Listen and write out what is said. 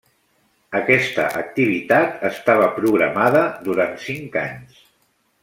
Aquesta activitat estava programada durant cinc anys.